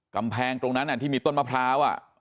กำแพงตรงนั้นที่มีต้นมะพร้าว